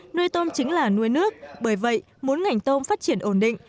nuôi tôm chính là nuôi nước bởi vậy muốn ngành tôm phát triển ổn định